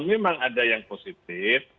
memang ada yang positif